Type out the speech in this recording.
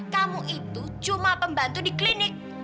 kamu itu cuma pembantu di klinik